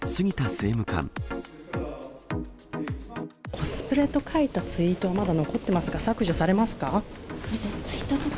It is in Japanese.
コスプレと書いたツイート、まだ残ってますが、削除されますか？